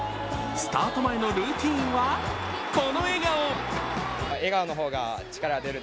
スタート前のルーチンはこの笑顔。